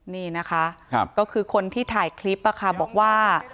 นี่นะคะก็คือคนที่ถ่ายคลิปบอกว่า